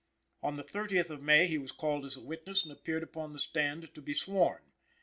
On the 30th of May, he was called as a witness and appeared upon the stand to be sworn.